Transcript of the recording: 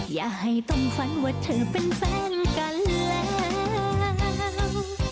อย่าให้ต้องฝันว่าเธอเป็นแฟนกันแล้ว